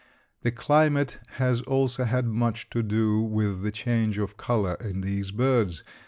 The climate has also had much to do with the change of color in these birds.